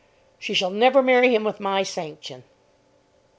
She shall never marry him with my sanction."